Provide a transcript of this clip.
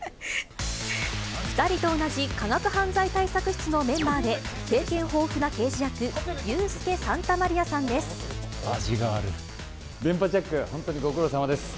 ２人と同じ科学犯罪対策室のメンバーで、経験豊富な刑事役、電波ジャック、本当にご苦労さまです。